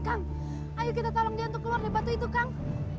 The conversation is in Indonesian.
kang ayo kita tolong dia untuk keluar di batu itu kang